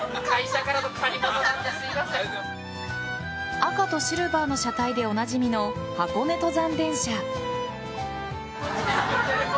赤とシルバーの車体でおなじみの箱根登山電車。